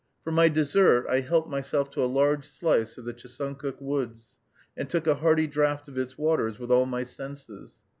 For my dessert, I helped myself to a large slice of the Chesuncook woods, and took a hearty draught of its waters with all my senses.